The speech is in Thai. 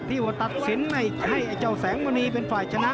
ว่าตัดสินให้ไอ้เจ้าแสงมณีเป็นฝ่ายชนะ